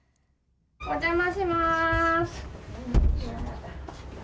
お邪魔します。